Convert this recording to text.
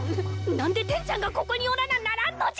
何でテンちゃんがここにおらなならんのじゃ！